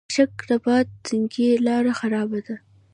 کشک رباط سنګي لاره خرابه ده؟